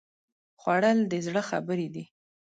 خوړل د زړه خبرې دي